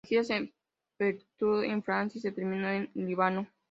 La gira se efectuó en Francia y se terminó en Líbano.